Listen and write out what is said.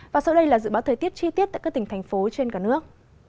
và sau đây là dự báo thời tiết chi tiết tại các tỉnh thành phố trên cả nước